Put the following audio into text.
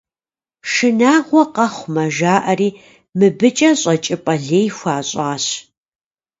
Шынагъуэ къэхъумэ, жаӏэри, мыбыкӏэ щӏэкӏыпӏэ лей хуащӏащ.